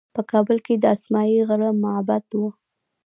په کابل کې د اسمايي غره معبد و